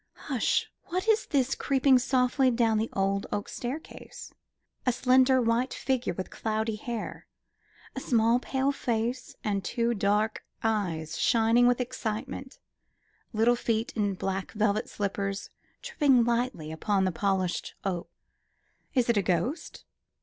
Hush! what is this creeping softly down the old oak staircase? A slender white figure with cloudy hair; a small pale face, and two dark eyes shining with excitement; little feet in black velvet slippers tripping lightly upon the polished oak. Is it a ghost?